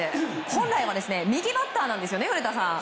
本来は右バッターなんですよね。